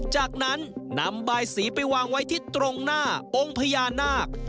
จากนั้นนำใบสีไปวางไว้ที่ตรงหน้าองค์พญานาค